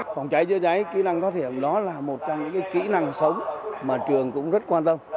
còn trái giữa trái kỹ năng thoát hiểm đó là một trong những kỹ năng sống mà trường cũng rất quan tâm